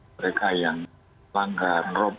mereka yang langgar rop